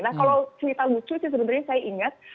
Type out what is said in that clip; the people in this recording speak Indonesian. nah kalau cerita lucu sih sebenarnya saya ingat